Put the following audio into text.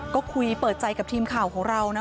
ก็คุยเปิดใจกับทีมข่าวของเรานะ